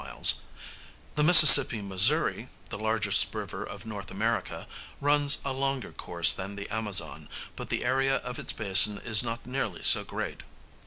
miles; the Mississippi Missouri, the largest river of North America, runs a longer course than the Amazon, but the area of its basin is not nearly so great.